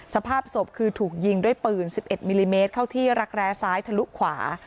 สภาพศพคือถูกยิงด้วยปืน๑๑มิลลิเมตรเข้าที่รักแร้ซ้ายทะลุขวา